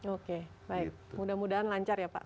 oke baik mudah mudahan lancar ya pak